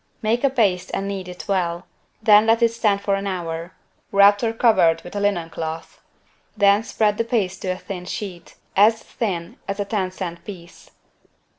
Make a paste and knead it well, then let it stand for an hour, wrapped or covered with a linen cloth. Then spread the paste to a thin sheet, as thin as a ten cent piece.